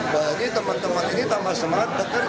bahkan teman teman ini tambah semangat bekerja